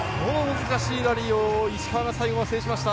難しいラリーを最後石川が制しました。